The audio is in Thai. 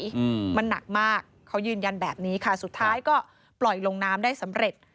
อืมมันหนักมากเขายืนยันแบบนี้ค่ะสุดท้ายก็ปล่อยลงน้ำได้สำเร็จ